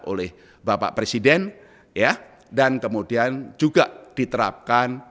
oleh bapak presiden dan kemudian juga diterapkan